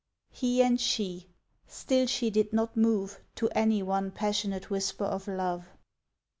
He and she; still she did not move To any one passionate whisper of love.